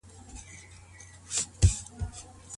ولي ملي سوداګر کرنیز ماشین الات له هند څخه واردوي؟